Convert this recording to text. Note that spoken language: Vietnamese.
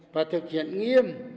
và thực hiện nghiêm